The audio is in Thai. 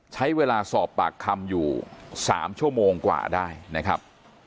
ใช้เวลาสอบปากคำอยู่๓ชั่วโมงกว่าได้นะครับ